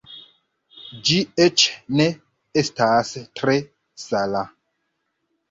Ĝi eĉ ne estas tre sala.